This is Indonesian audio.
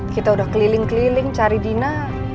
kita udah keliling keliling cari dina